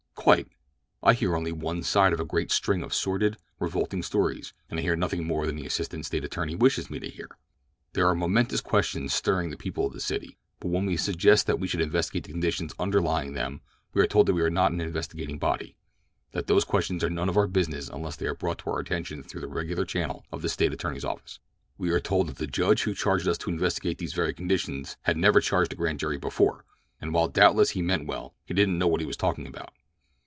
"Quite. I hear only one side of a great string of sordid, revolting stories, and I hear nothing more than the assistant State attorney wishes me to hear. There are momentous questions stirring the people of the city, but when we suggest that we should investigate the conditions underlying them we are told that we are not an investigating body—that those questions are none of our business unless they are brought to our attention through the regular channel of the State attorney's office. We are told that the judge who charged us to investigate these very conditions had never charged a grand jury before, and while doubtless he meant well he didn't know what he was talking about."